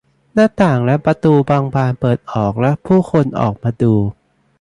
หน้าต่างและประตูบางบานเปิดออกและผู้คนออกมาดู